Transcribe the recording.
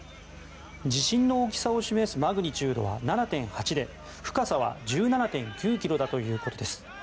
地震の大きさを示すマグニチュードは７．８で深さは１７．９ｋｍだということです。